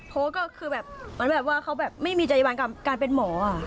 โพสต์ก็คือแบบมันแบบว่าเขาไม่มีจริยบันการเป็นหมอ